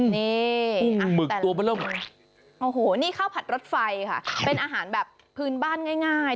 นี่อันแต่ละโอ้โฮนี่ข้าวผัดรสไฟค่ะเป็นอาหารแบบพื้นบ้านง่าย